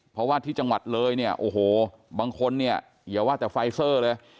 เพราะว่าที่จังหวัดเลยเนี่ยโอ้โหบางคนเนี่ยอย่าว่าแต่ไฟเซอร์เลย